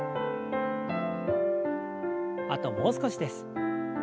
あともう少しです。